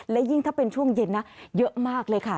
และยิ่งถ้าเป็นช่วงเย็นนะเยอะมากเลยค่ะ